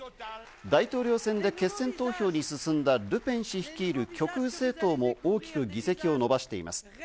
大統領選で決選投票に進んだルペン氏率いる極右政党も大きく議席を伸ばしています。